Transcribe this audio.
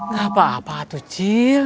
gak apa apa tuh cil